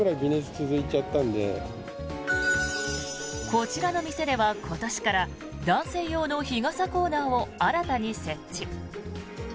こちらの店では今年から男性用の日傘コーナーを新たに設置。